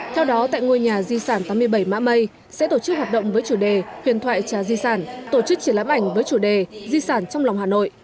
theo đó tại ngôi nhà di sản tám mươi bảy mã mây sẽ tổ chức hoạt động với chủ đề huyền thoại trà di sản tổ chức triển lãm ảnh với chủ đề di sản trong lòng hà nội